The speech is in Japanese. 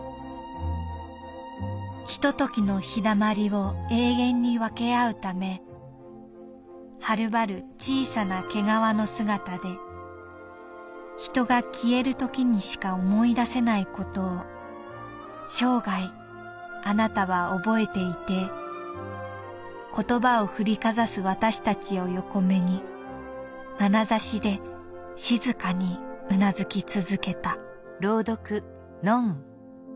「ひと時の陽だまりを永遠にわけ合うためはるばるちいさな毛皮の姿でひとが消えるときにしか思い出せないことを生涯あなたはおぼえていて言葉を振りかざすわたしたちを横目にまなざしでしずかに頷きつづけた」。